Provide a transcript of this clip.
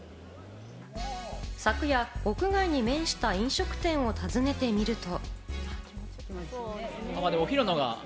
昨夜、屋外に面した飲食店を訪ねてみると。